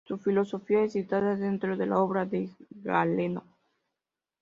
Su filosofía es citada dentro de la obra de Galeno.